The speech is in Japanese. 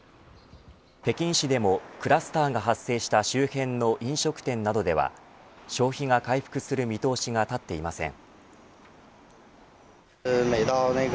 北京市でもクラスターが発生した周辺の飲食店などでは消費が回復する見通しが立っていません。